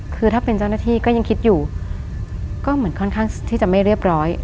คือถ้าเป็นเจ้าหน้าที่ก็ยังคิดอยู่ก็เหมือนค่อนข้างที่จะไม่เรียบร้อย